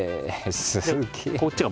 すげえ！